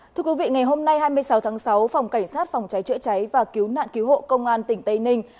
thưa quý vị ngày hôm nay hai mươi sáu tháng sáu phòng cảnh sát phòng cháy chữa cháy và cứu nạn cứu hộ công an tỉnh tây ninh